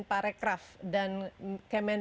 parekraf dan kemen